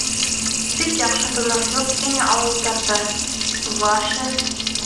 — Бик яҡшы тыныслыҡ ине ауылдарҙа, Ваше...